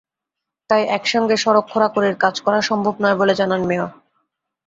তাই একসঙ্গে সড়ক খোঁড়াখুঁড়ির কাজ করা সম্ভব নয় বলে জানান মেয়র।